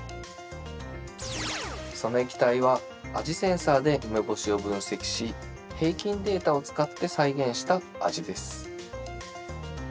その液体は味センサーで梅干しをぶんせきし平均データを使って再現した味です。